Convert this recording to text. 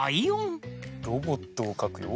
ロボットをかくよ。